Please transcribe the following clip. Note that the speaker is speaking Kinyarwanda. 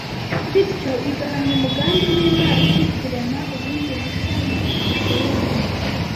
bityo igahamya umugambi w’Imana wo kuturema bundi bushya mu ishusho yayo